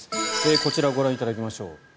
こちらご覧いただきましょう。